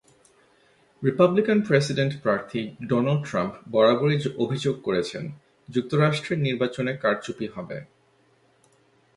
Republican president প্রার্থী Donald Trump বরাবরই অভিযোগ করেছেন, যুক্তরাষ্ট্রের নির্বাচনে কারচুপি হবে।